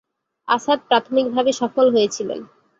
আসাদ প্রাথমিকভাবে সফল হয়েছিলেন।